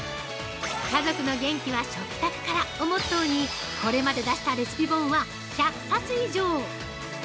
「家族の元気は食卓から」をモットーにこれまで出したレシピ本は１００冊以上！